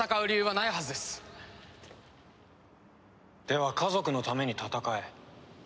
では家族のために戦え。